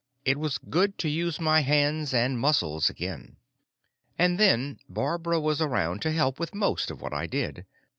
It was good to use my hands and muscles again. And then Barbara was around to help with most of what I did.